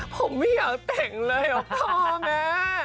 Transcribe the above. ผมไม่อยากแต่งเลยหรอกพ่อแม่